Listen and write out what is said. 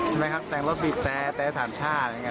ใช่ไหมครับแต่งรถบิบแต่สามชาติ